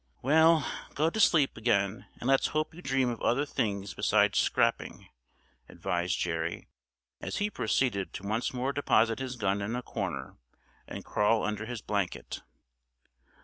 "Well, go to sleep again, and let's hope you dream of other things besides scrapping," advised Jerry, as he proceeded to once more deposit his gun in a corner, and crawl under his blanket.